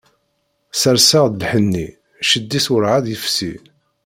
Serseɣ-d lḥenni, cced-is werɛad yefsi.